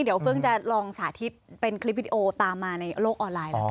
เดี๋ยวเพิ่งจะลองสาธิตเป็นคลิปวิดีโอตามมาในโลกออนไลน์แล้วกัน